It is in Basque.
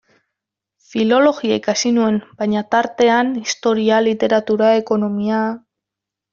Filologia ikasi nuen, baina, tartean, historia, literatura, ekonomia...